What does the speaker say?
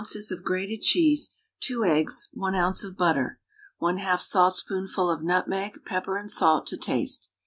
of grated cheese, 2 eggs, 1 oz. of butter, 1/2 saltspoonful of nutmeg, pepper and salt to taste.